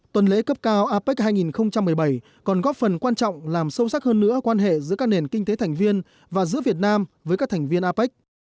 tuần lễ cấp cao apec hai nghìn một mươi bảy còn góp phần quan trọng làm sâu sắc hơn nữa quan hệ giữa các nền kinh tế thành viên và giữa việt nam với các thành viên apec